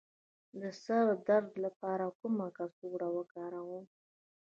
د سر د درد لپاره کومه کڅوړه وکاروم؟